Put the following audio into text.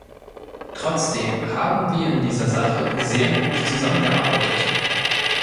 Trotzdem haben wir in dieser Sache sehr gut zusammengearbeitet.